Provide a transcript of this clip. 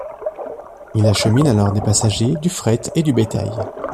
Il achemine alors des passagers, du fret et du bétail.